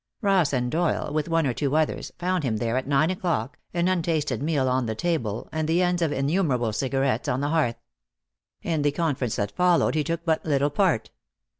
Ross and Doyle, with one or two others, found him there at nine o'clock, an untasted meal on the table, and the ends of innumerable cigarettes on the hearth. In the conference that followed he took but little part.